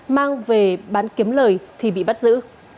mang về bán kiếm lời thì bị bắt giữ